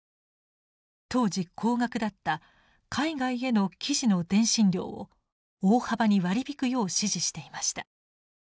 当時高額だった海外への記事の電信料を大幅に割り引くよう指示していました。